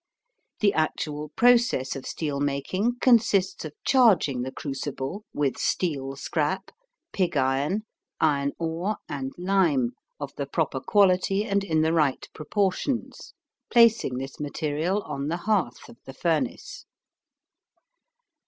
The actual process of steel making consists of charging the crucible with steel scrap, pig iron, iron ore, and lime of the proper quality and in the right proportions, placing this material on the hearth of the furnace.